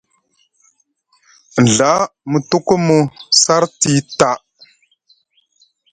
Nɵa mu tukumu sarti taa.